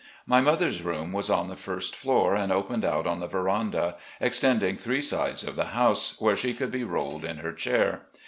My mother's room was on the first floor and opened out on the veranda, extending three sides of the house, where she could be rolled in her chair.